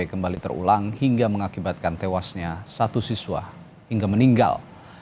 kembali terulang hingga mengakibatkan tewasnya satu siswa hingga meninggal